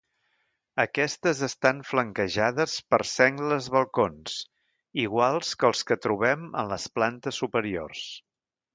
Aquestes estan flanquejades per sengles balcons, iguals que els que trobem en les plantes superiors.